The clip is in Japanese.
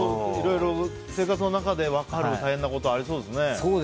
いろいろ生活の中で分かる大変なことありそうですね。